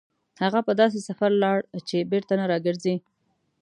هغه په داسې سفر لاړ چې بېرته نه راګرځي.